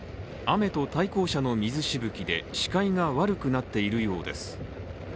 雨と対向車の水しぶきで視界が悪くなっているようです。